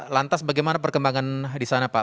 lantas bagaimana perkembangan di sana pak